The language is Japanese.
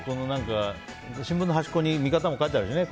新聞の端っこに見方も書いてあるしね。